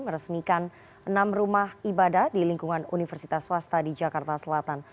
meresmikan enam rumah ibadah di lingkungan universitas swasta di jakarta selatan